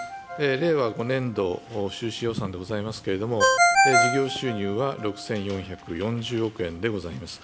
令和５年度収支予算でございますけれども、事業収入は６４４０億円でございます。